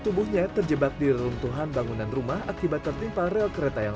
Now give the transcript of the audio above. tubuhnya terjebak di reruntuhan bangunan rumah akibat tertimpa rel kereta yang